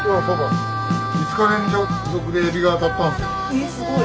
えっすごい。